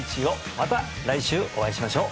また来週お会いしましょう